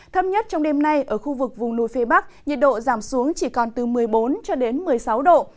thấp nhất trong đêm nay ở khu vực vùng núi phía bắc nhiệt độ giảm xuống chỉ còn từ một mươi bốn cho đến một mươi sáu độ